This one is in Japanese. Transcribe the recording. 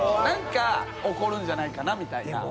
何か起こるんじゃないかなみたいな。